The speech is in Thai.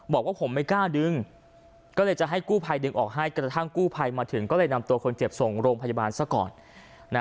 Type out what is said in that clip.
บอกว่าผมไม่กล้าดึงก็เลยจะให้กู้ภัยดึงออกให้กระทั่งกู้ภัยมาถึงก็เลยนำตัวคนเจ็บส่งโรงพยาบาลซะก่อนนะ